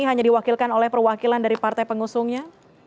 hanya diwakilkan oleh perwakilan dari partai pengusungnya